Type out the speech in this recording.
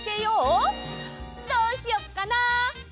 どうしよっかな。